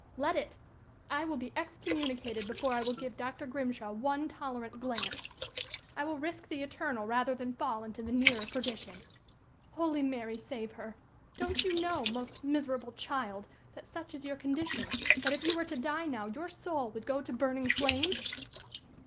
"Let it! I will be excommunicated before I will give Dr. Grimshaw one tolerant glance! I will risk the eternal rather than fall into the nearer perdition!" "Holy Mary save her! Don't you know, most miserable child! that such is your condition, that if you were to die now your soul would go to burning flames?"